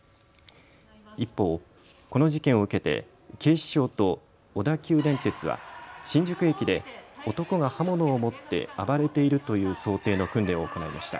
一方、この事件を受けて警視庁と小田急電鉄は新宿駅で男が刃物を持って暴れているという想定の訓練を行いました。